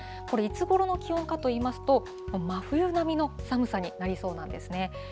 これ、いつごろの気温かといいますと、真冬並みの寒さになりそうなんですね。